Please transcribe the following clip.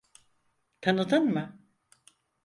Tanıdın mı?